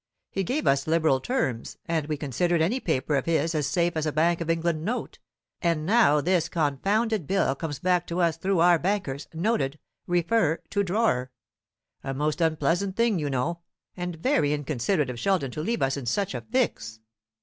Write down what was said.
He gave us liberal terms, and we considered any paper of his as safe as a Bank of England note; and now this confounded bill comes back to us through our bankers, noted, 'Refer to drawer' a most unpleasant thing, you know, and very inconsiderate of Sheldon to leave us in such a fix."